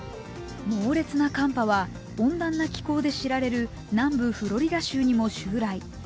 猛烈な寒波は、温暖な気候で知られる南部フロリダ州にも襲来。